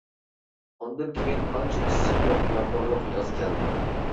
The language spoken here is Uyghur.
ئۇندىن كېيىن ئانچە ئىسسىقى يوق يامغۇرلۇق ياز كەلدى.